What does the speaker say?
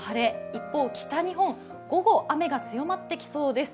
一方、北日本は午後、雨が強まってきそうです。